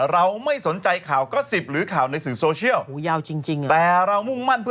เราไม่สนใจข่าวก็๑๐หรือข่าวในสื่อโซเชียล